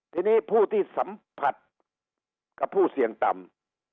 ทีนี้ผู้ที่สัมผัสกับผู้เสี่ยงต่ำ